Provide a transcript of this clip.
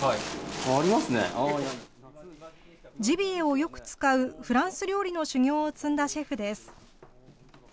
ジビエをよく使うフランス料理の修業を積んだシェフです。